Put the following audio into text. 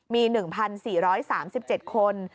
มี๑๔๓๗คน